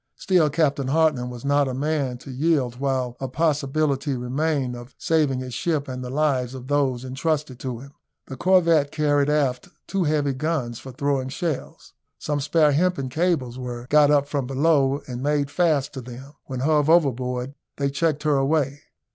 Still Captain Hartland was not a man to yield while a possibility remained of saving his ship and the lives of those entrusted to him. The corvette carried aft two heavy guns for throwing shells. Some spare hempen cables were got up from below, and made fast to them; when hove overboard they checked her way.